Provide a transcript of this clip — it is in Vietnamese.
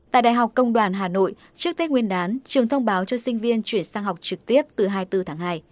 tại đại học công đoàn hà nội trước tết nguyên đán trường thông báo cho sinh viên chuyển sang học trực tiếp từ hai mươi bốn tháng hai